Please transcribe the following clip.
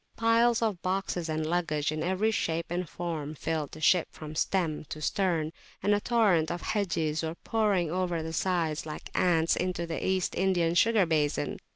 Piles of boxes and luggage in every shape and form filled the ship from stem to stern, and a torrent of Hajis were pouring over the sides like ants into the East Indian sugar basin.